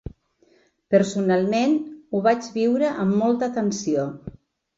Personalment, ho vaig viure amb molta tensió.